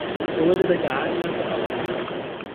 ووجدك عائلا فأغنى